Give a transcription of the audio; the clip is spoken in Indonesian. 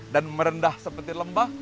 dan merendah seperti lembah